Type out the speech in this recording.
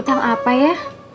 utang apa ya